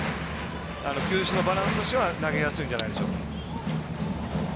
球種のバランスとしては投げやすいんじゃないでしょうか。